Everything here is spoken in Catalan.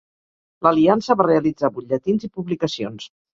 L'Aliança va realitzar butlletins i publicacions.